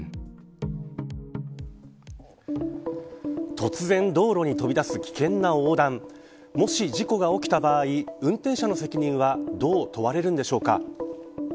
突然道路に飛び出す危険な横断もし事故が起きた場合運転者の責任はどう問われるんでしょうか。